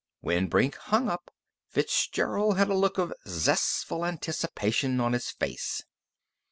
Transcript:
When Brink hung up, Fitzgerald had a look of zestful anticipation on his face.